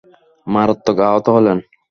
মারাত্মক আহত হলেন।